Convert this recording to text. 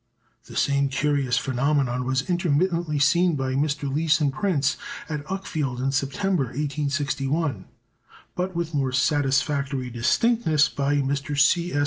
The same curious phenomenon was intermittently seen by Mr. Leeson Prince at Uckfield in September, 1861; but with more satisfactory distinctness by Mr. C. S.